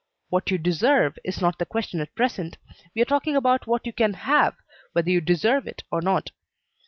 "What you deserve is not the question at present; we are talking about what you can have, whether you deserve it or not.